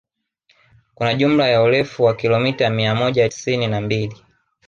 Kuna jumla ya urefu wa kilomita mia moja tisini na mbili